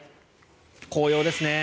紅葉ですね。